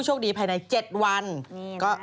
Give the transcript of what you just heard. สวัสดีค่าข้าวใส่ไข่